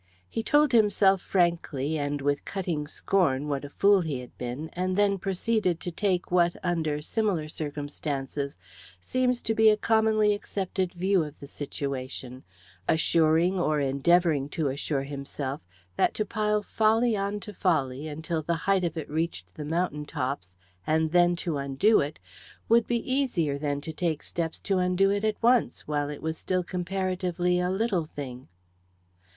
He told himself, frankly, and with cutting scorn, what a fool he had been, and then proceeded to take what, under similar circumstances, seems to be a commonly accepted view of the situation assuring, or endeavouring to assure himself, that to pile folly on to folly, until the height of it reached the mountain tops, and then to undo it, would be easier than to take steps to undo it at once, while it was still comparatively a little thing.